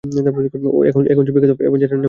এখন সে একজন বিখ্যাত অ্যাভেঞ্জার আর আমার কলও ধরে না।